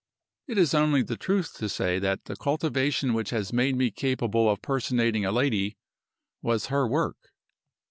It is only the truth to say that the cultivation which has made me capable of personating a lady was her work.